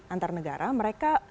antar negara mereka